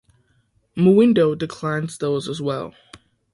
Mwindo declines those as well.